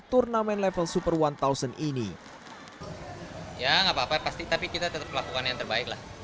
turnamen level super one ini ya nggak apa apa pasti tapi kita tetap lakukan yang terbaik lah